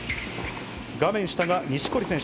画面下が錦織選手。